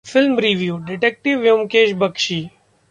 Film Review: detective Byomkesh Bakshi